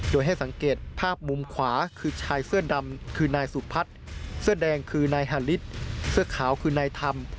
โดยให้สังเกตภาพมุมขวาคือชายเสื้อดำคือนายสุพัฒน์เสื้อแดงคือนายฮาลิสเสื้อขาวคือนายธรรม